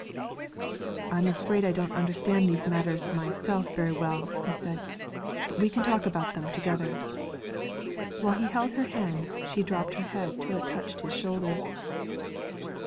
'I'm afraid I don't understand these matters myself very well,' he said; 'but we can talk about them together.' While he held her hands, she drooped her head till it touched his shoulder.